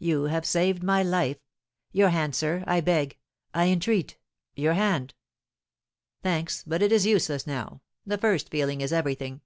You have saved my life. Your hand, sir, I beg I entreat your hand!" "Thanks; but it is useless now. The first feeling is everything.